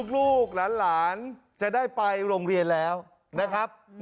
ลูกหลานจะได้ไปโรงเรียนแล้วนะครับ